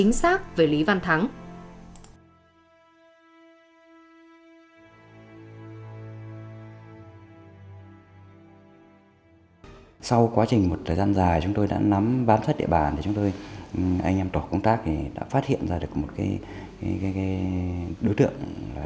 nhận định chính xác về lý văn thắng